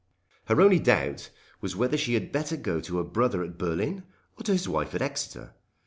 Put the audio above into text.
Her only doubt was whether she had better go to her brother at Berlin or to his wife at Exeter.